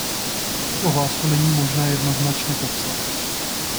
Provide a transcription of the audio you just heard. Tuto hlásku není možné jednoznačně popsat.